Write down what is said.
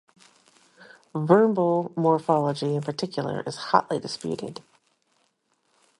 Verbal morphology in particular is hotly disputed.